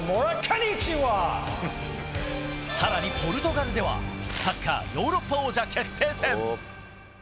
更にポルトガルではサッカーヨーロッパ王者決定戦。